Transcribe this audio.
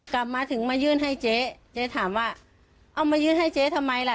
กลับมาถึงมายื่นให้เจ๊เจ๊ถามว่าเอามายื่นให้เจ๊ทำไมล่ะ